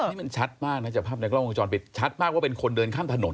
นี่มันชัดมากนะจากภาพในกล้องวงจรปิดชัดมากว่าเป็นคนเดินข้ามถนน